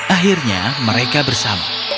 akhirnya mereka bersama